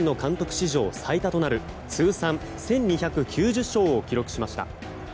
史上最多となる通算１２９０勝を記録しました。